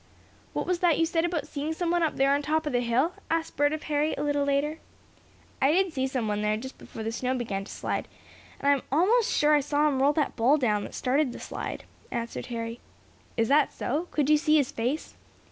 "What was that you said about seeing someone up there on top of the hill?" asked Bert of Harry, a little later. "I did see someone there just before the snow began to slide, and I'm almost sure I saw him roll that ball down that started the slide," answered Harry. "Is that so? Could you see his face?"